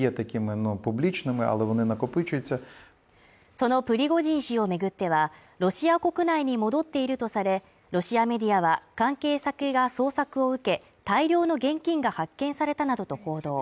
そのプリゴジン氏を巡っては、ロシア国内に戻っているとされ、ロシアメディアは関係先が捜索を受け大量の現金が発見されたなどと報道。